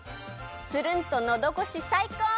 つるんとのどごしさいこう！